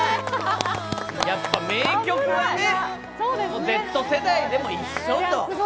やっぱ名曲はね、Ｚ世代でも一緒。